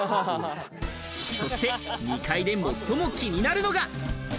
そして２階で最も気になるのが。